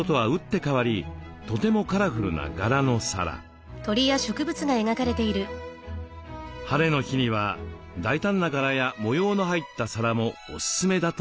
ハレの日には大胆な柄や模様の入った皿もおすすめだといいます。